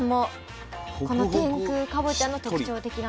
この天空かぼちゃの特徴なんです。